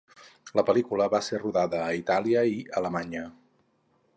La pel·lícula va ser rodada a Itàlia i Alemanya.